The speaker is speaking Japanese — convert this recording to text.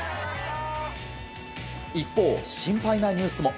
一方、心配なニュースも。